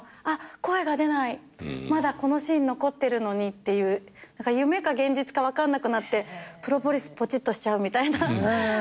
まだこのシーン残ってるのにって夢か現実か分かんなくなってプロポリスポチッとしちゃうみたいなのがあって。